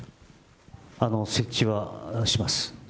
設置はします。